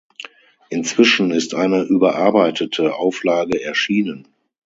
Inzwischen ist eine überarbeitete Auflage erschienen.